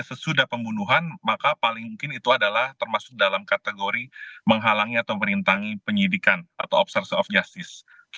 sesudah pembunuhan maka paling mungkin itu adalah termasuk dalam kategori menghalangi atau merintangi penyidikan atau obserse of justice